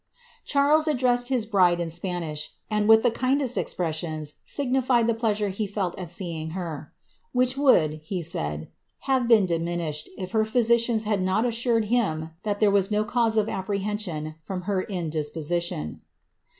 ^ Charles addressed his bride in Spnish, and, with the kindest expie* sions, signified the pleasure he felt at seeing her, ^ which would," he said, ^ have been diminished, if her physicians had not assured him thit tliere was no cause of apprehension from her indisposition."